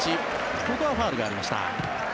ここはファウルがありました。